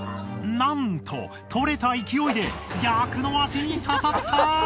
なんと取れた勢いで逆の足に刺さった！